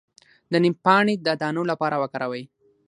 د نیم پاڼې د دانو لپاره وکاروئ